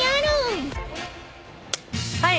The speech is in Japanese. はい。